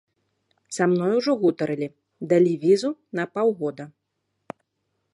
Са мной ужо гутарылі, далі візу на паўгода.